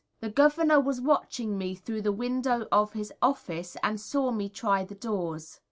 The Governor was watching me through the window of his office and saw me try the doors.